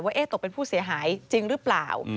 ตกเป็นผู้เสียหายจริงหรือเปล่า